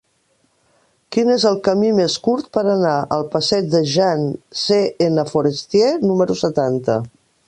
Quin és el camí més curt per anar al passeig de Jean C. N. Forestier número setanta?